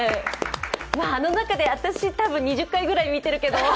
あの中で私、たぶん２０回ぐらい見ているけど。